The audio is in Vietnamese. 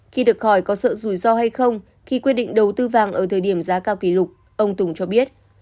khi được hỏi có sự rủi ro hay không khi quyết định đầu tư vàng ở thời điểm giá cao kỷ lục ông tùng cho biết